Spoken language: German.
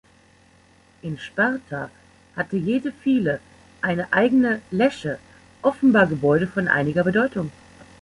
In Sparta hatte jede Phyle eine eigene "Lesche", offenbar Gebäude von einiger Bedeutung.